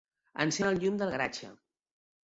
Encén el llum del garatge.